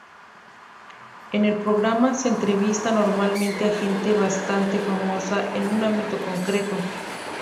En el programa se entrevista normalmente a gente bastante famosa en un ámbito concreto.